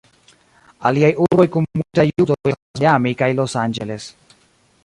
Aliaj urboj kun multe da judoj estas Miami kaj Los Angeles.